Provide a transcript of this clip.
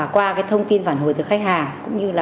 qua thông tin phản hồi từ khách hàng